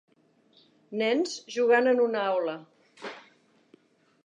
Nens jugant en una aula.